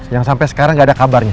yang sampe sekarang ga ada kabarnya